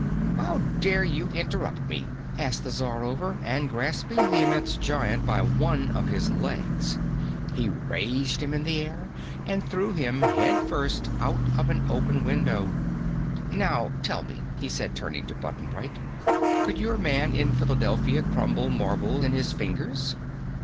"How dare you interrupt me?" asked the Czarover, and grasping the immense giant by one of his legs, he raised him in the air and threw him headfirst out of an open window. "Now, tell me," he said, turning to Button Bright, "could your man in Philadelphia crumble marble in his fingers?"